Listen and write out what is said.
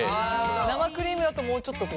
生クリームだともうちょっとこう。